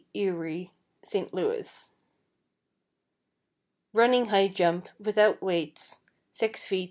Ewry, St. Louis; running high jump, without weights, 6 ft.